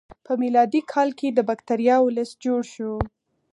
په میلادي کال کې د بکتریاوو لست جوړ شو.